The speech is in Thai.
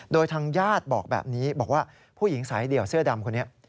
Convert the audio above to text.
โดยทางญาติบอกแบบนี้บอกว่าผู้หญิงสายเดี่ยวเสื้อดำคนนี้